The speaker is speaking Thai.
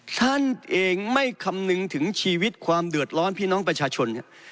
ท่านเองไม่คำนึงถึงชีวิตความเดือดร้อนพี่น้องประชาชน